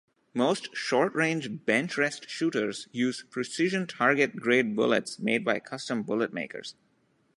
Most short-range benchrest shooters use precision target grade bullets made by custom bullet makers.